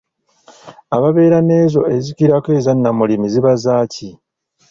Ababeera n'ezo ezikirako eza Nnamulimi ziba zaaki ?